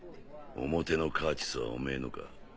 おもてのカーチスはおめぇのか？